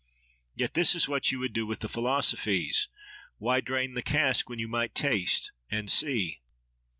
Yet this is what you would do with the philosophies. Why drain the cask when you might taste, and see?